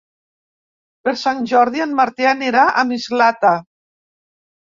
Per Sant Jordi en Martí anirà a Mislata.